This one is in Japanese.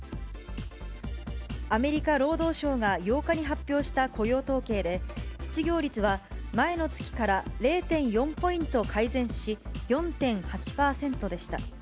アメリカ労働省が８日に発表した雇用統計で、失業率は前の月から０．４ポイント改善し、４．８％でした。